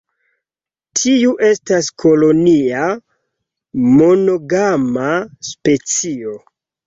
Tiu estas kolonia, monogama specio.